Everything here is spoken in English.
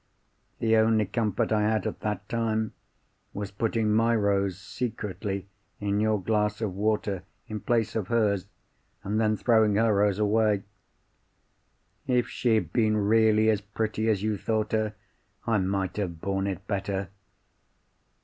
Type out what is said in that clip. The only comfort I had at that time, was putting my rose secretly in your glass of water, in place of hers—and then throwing her rose away. "If she had been really as pretty as you thought her, I might have borne it better.